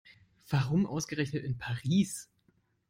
Warum ausgerechnet in Paris?